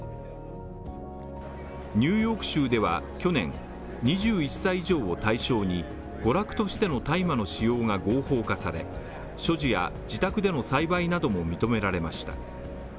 ニューヨーク州では去年、２１歳以上を対象に、娯楽としての大麻の使用が合法化され、所持や自宅での栽培なども認められました。